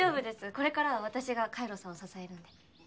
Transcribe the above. これからは私が海路さんを支えるんで。